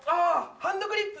ハンドグリップ！